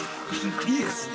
いいですね。